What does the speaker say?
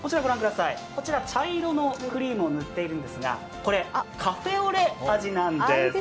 こちら茶色のクリームを塗っているんですがこれ、カフェオレ味なんです。